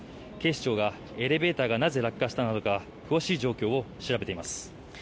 警視庁がエレベーターがなぜ落下したのか詳しい状況を調べています。